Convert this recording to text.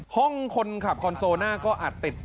ห้องคนขับคอนโซน่าก็อาจติด